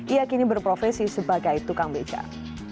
ia kini berprofesi sebagai tukang becak